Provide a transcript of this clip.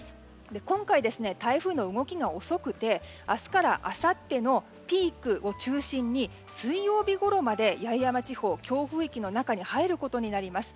今回、台風の動きが遅くて明日からあさってのピークを中心に水曜日ごろまで八重山地方は強風域の中に入ることになります。